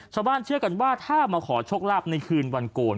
ชาวบ้านเชื่อกันว่าถ้ามาขอชกลับในคืนวันโกน